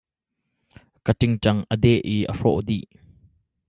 Ka ṭingṭang a deh i a hrawh dih.